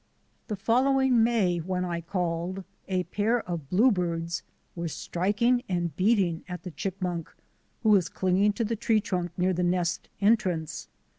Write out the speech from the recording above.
The following May when I called, a pair of blue birds were striking and beating at the chipmunk, who was clinging to the tree trunk near the nest entrance.